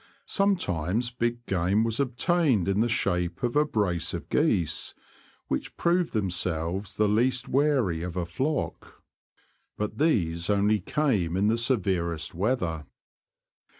Sometimes big game was obtained in the shape of a brace of geese, which proved themselves the least wary of a flock ; but these only came in the severest weather.